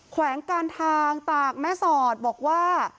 แขวงการทางตากแม่สอดบอกว่า